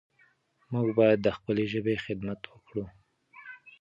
موږ باید د خپلې ژبې خدمت وکړو.